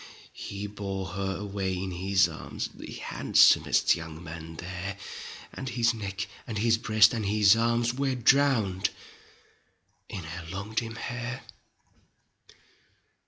He bore her away in his arms, The handsomest young man there. And his neck and his breast and his arms Were drowned in her long dim hair.